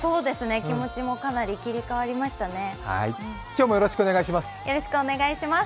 気持ちもかなり切り替わりましたね。